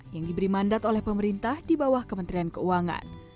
yang diberi mandat oleh pemerintah di bawah kementerian keuangan